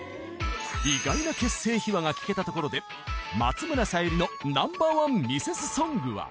意外な結成秘話が聞けたところで松村沙友理のナンバーワンミセスソングは？